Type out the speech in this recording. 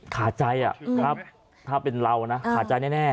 ขาใจถ้าเป็นเรานะขาดใจแน่